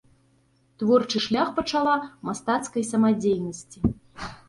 Творчы шлях пачала ў мастацкай самадзейнасці.